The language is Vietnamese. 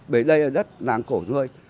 bởi đây là đất nàng cổ thôi